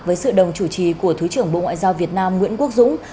với sự đồng chủ trì của thứ trưởng bộ ngoại giao việt nam nguyễn quốc dũng